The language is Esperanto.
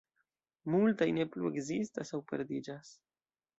Multaj ne plu ekzistas aŭ perdiĝas.